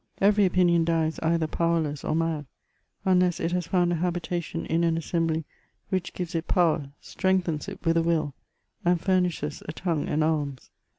Every opinion dies either powerless or mad, unless it has found a habitation in an assembly which gives it power, strengthens it with a will, and furnishes a tongue and arms.